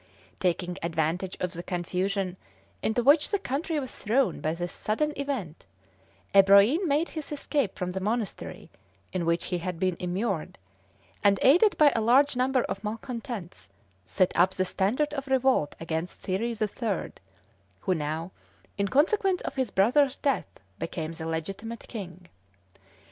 Taking advantage of the confusion into which the country was thrown by this sudden event, Ebroin made his escape from the monastery in which he had been immured, and, aided by a large number of malcontents, set up the standard of revolt against Thierry the Third, who now, in consequence of his brother's death, became the legitimate king.